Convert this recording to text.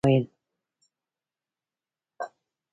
یوازې اپین دارو ګڼي نرس وویل.